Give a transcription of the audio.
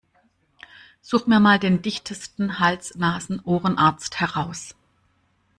Such mir mal den dichtesten Hals-Nasen-Ohren-Arzt heraus!